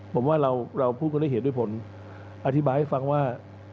ผมว่าเราพูดกันด้วยเหตุด้วยผลอธิบายให้ฟังว่า